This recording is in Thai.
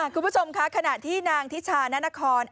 คุณผู้ชมค่ะขณะที่นางทิชานานคร